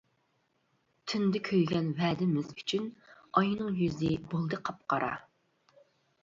تۈندە كۆيگەن ۋەدىمىز ئۈچۈن، ئاينىڭ يۈزى بولدى قاپقارا.